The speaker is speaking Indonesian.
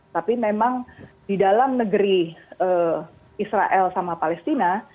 tapi memang di dalam negeri israel sama palestina